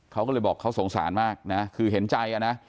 เขาก็เลยบอกเขาสงสารมากนะคือเห็นใจนะ